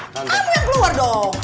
kamu yang keluar dong